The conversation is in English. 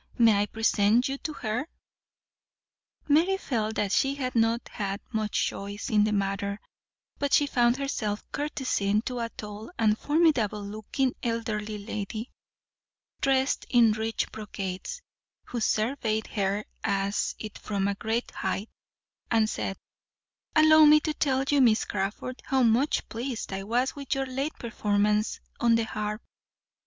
May I present you to her?" Mary felt that she had not had much choice in the matter, but she found herself curtseying to a tall and formidable looking elderly lady, dressed in rich brocades, who surveyed her as if from a great height, and said: "Allow me to tell you, Miss Crawford, how much pleased I was with your late performance on the harp.